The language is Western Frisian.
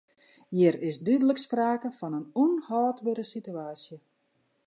Hjir is dúdlik sprake fan in ûnhâldbere sitewaasje.